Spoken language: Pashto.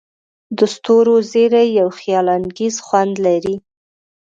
د ستورو زیرۍ یو خیالانګیز خوند لري.